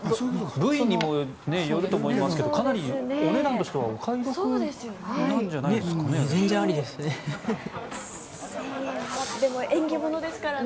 部位にもよると思いますがお値段としてはお買い得なんじゃないですかね。